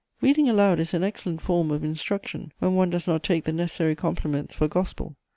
Reading aloud is an excellent form of instruction, when one does not take the necessary compliments for gospel.